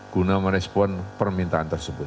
guna merespon permintaan tersebut